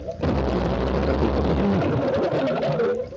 Tutta colpa mia